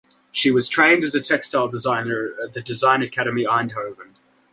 She was trained as a textile designer at the Design Academy Eindhoven.